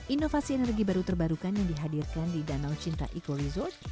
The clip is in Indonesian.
inovasi energi baru terbarukan yang dihadirkan di danau cinta eco resort